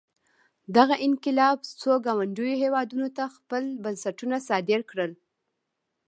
دغه انقلاب څو ګاونډیو هېوادونو ته خپل بنسټونه صادر کړل.